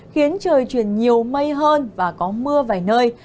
khiến trời chuyển nhiều mây hơn và có mưa vài nơi